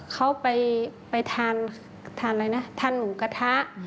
เขาไปทานอะไรนะทานหมูกระทะ